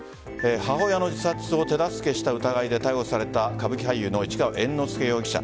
母親の自殺を手助けした疑いで逮捕された歌舞伎俳優の市川猿之助容疑者。